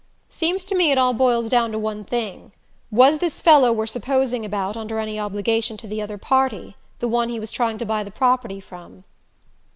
"Seems to me it all boils down to one thing. Was this fellow we're supposing about under any obligation to the other party the one he was trying to buy the property from?"